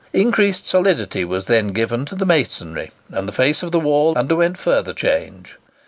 Increased solidity was then given to the masonry, and the face of the wall underwent further change.